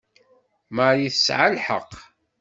Marie tesɛa lḥeqq.